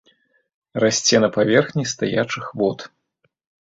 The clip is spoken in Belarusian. Расце на паверхні стаячых вод.